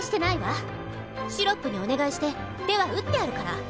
シロップにお願いして手は打ってあるから。